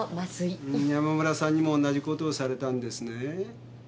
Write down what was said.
山村さんにも同じことをされたんですね？